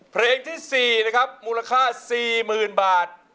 เพลงที่๔นะครับมูลค่า๔๐๐๐บาท